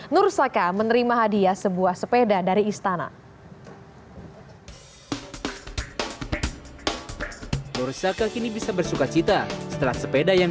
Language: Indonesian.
nur saka menerima hadiah sebuah sepeda dari istana nur saka kini bisa bersuka cita setelah sepeda yang